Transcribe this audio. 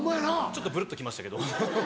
ちょっとブルっときましたけど。